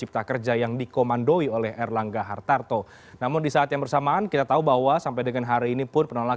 tadi ke nasdem ya bang doli